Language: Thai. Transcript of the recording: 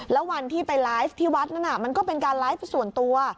แล้ววันที่ไปไลฟ์ที่วัดนั้นมันก็เป็นการไลฟ์ส่วนตัว